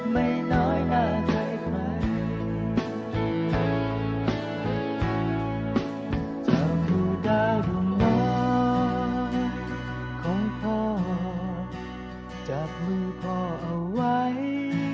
ไม่น้อยหน้าใจใครจับคู่ดารุ่มน้อยของพ่อจับมือพ่อเอาไว้